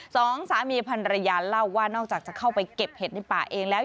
สองสามีพันรยาเล่าว่านอกจากจะเข้าไปเก็บเห็ดในป่าเองแล้ว